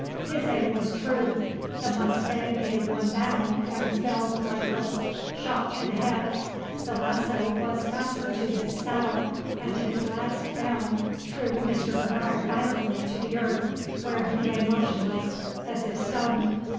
His aim was true; the mustang gave one bound and fell lifeless, shot through the head. The lasso was fastened to his saddle, and his last bound threw Mr. Bernard violently to the earth, where he lay motionless, as if stunned.